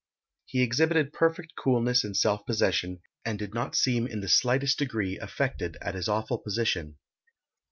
He exhibited perfect coolness and self possession, and did not seem in the slightest degree affected at his awful position.